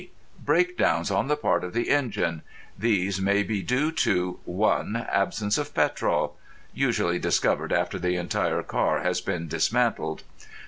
_ Breakdowns on the part of the engine. These may be due to— (1) Absence of petrol. (Usually discovered after the entire car has been dismantled.)